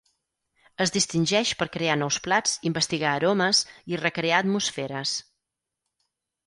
Es distingeix per crear nous plats, investigar aromes i recrear atmosferes.